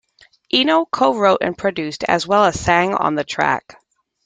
Eno co-wrote and produced, as well as sang on the track.